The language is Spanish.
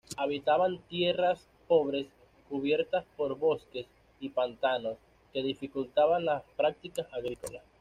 Habitaban tierras pobres cubiertas por bosques y pantanos, que dificultaban las prácticas agrícolas.